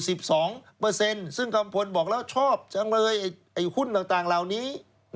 ซึ่งกัมพลบอกแล้วชอบจังเลยไอ้หุ้นต่างต่างเหล่านี้